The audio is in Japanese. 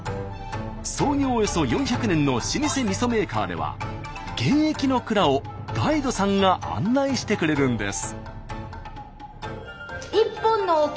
創業およそ４００年の老舗みそメーカーでは現役の蔵をガイドさんが案内してくれるんです。